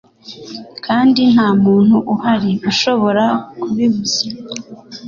kandi ntamuntu uhari ushobora kubibuza